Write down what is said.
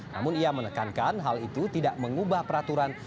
namun ia menekankan hal itu tidak mengubah peraturan